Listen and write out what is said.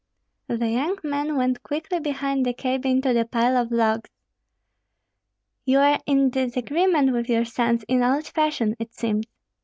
The young men went quickly behind the cabin to the pile of logs. "You are in disagreement with your sons in old fashion, it seems?"